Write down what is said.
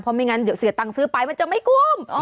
เพราะไม่อย่างนั้นเดี๋ยวเสียตังค์ซื้อไปมันจะไม่กล้ม